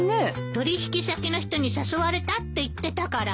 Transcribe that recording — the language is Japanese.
取引先の人に誘われたって言ってたから。